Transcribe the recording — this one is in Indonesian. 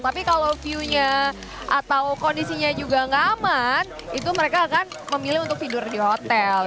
tapi kalau view nya atau kondisinya juga nggak aman itu mereka akan memilih untuk tidur di hotel